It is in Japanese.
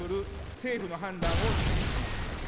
政府の判断を支持します。